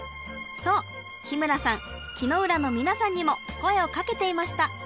そう日村さん木ノ浦のみなさんにも声をかけていました。